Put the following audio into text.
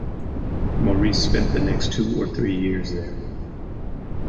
Maurice spent the next two or three years there.